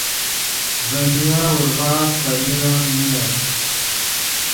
ڤے نیا اورڤآت پنیر ام نینت